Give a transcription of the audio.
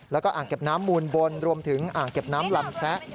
แล้วก็อ่างเก็บน้ำมูลบนรวมถึงอ่างเก็บน้ำลำแซะ